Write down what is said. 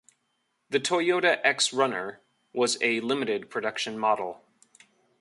The Toyota X-Runner was a limited production model.